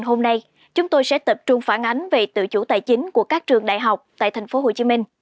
hôm nay chúng tôi sẽ tập trung phản ánh về tự chủ tài chính của các trường đại học tại tp hcm